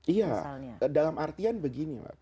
iya dalam artian begini